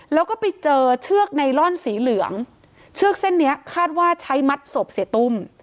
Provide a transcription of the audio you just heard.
แล้วก็ไปเจอเชือกไนลอนสีเหลืองเชือกเส้นนี้คาดว่าใช้มัดศพเสียตุ้ม